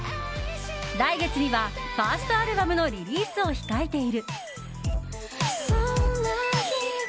来月にはファーストアルバムのリリースを控えている。